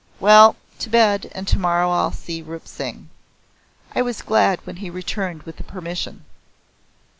Well to bed, and tomorrow I'll see Rup Singh." I was glad when he returned with the permission.